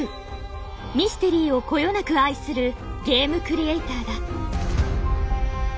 ミステリーをこよなく愛するゲームクリエイターだ。